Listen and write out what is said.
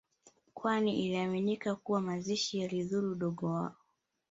kwani iliaminika kuwa mazishi yalidhuru Udongo wao